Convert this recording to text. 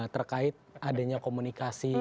terkait adanya komunikasi